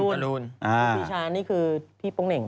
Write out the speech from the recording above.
ครูปีชานี่คือพี่ปงเน่ง